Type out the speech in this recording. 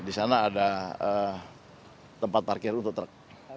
di sana ada tempat parkir untuk truk